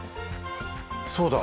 そうだ！